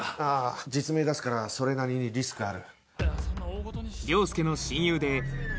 実名出すからそれなりにリスクある。